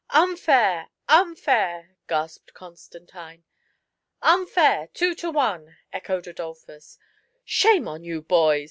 "Unfair! unfair !" gasped Conatantine. . "Unfair! two to one!" echoed Adolphus, "Shame on you, boys!"